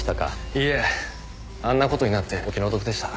いいえあんな事になってお気の毒でした。